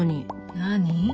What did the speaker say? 何？